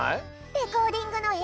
レコーディングのえい